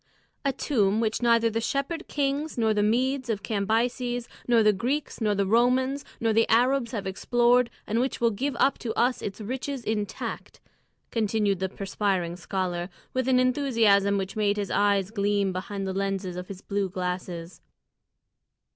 "A tomb which neither the Shepherd Kings nor the Medes of Cambyses nor the Greeks nor the Romans nor the Arabs have explored, and which will give up to us its riches intact," continued the perspiring scholar, with an enthusiasm which made his eyes gleam behind the lenses of his blue glasses.